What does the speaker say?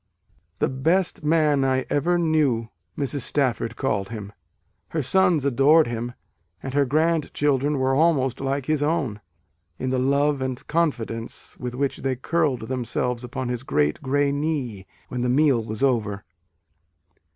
"The best man I ever knew," Mrs. A DAY WITH WALT WHITMAN. Stafford called him. Her sons adored him ; and her grandchildren were almost like his own, in the love and confidence with which they curled themselves upon his great grey knee when the meal was over.